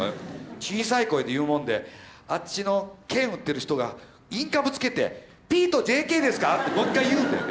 小さい声で言うもんであっちの券売ってる人がインカムつけて「『ＰとＪＫ』ですか？」ってもう一回言うんだよね。